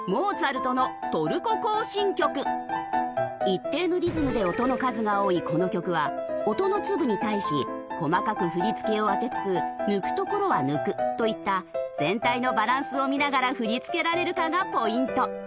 一定のリズムで音の数が多いこの曲は音の粒に対し細かく振り付けを当てつつ抜くところは抜くといった全体のバランスを見ながら振り付けられるかがポイント。